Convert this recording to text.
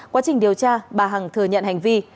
quá trình điều tra bà hằng thừa nhận hành vi